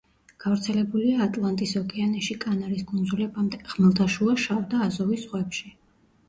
გავრცელებულია ატლანტის ოკეანეში კანარის კუნძულებამდე, ხმელთაშუა, შავ და აზოვის ზღვებში.